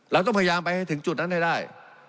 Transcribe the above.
เราต้องพยายามไปให้ถึงจุดนั้นให้ได้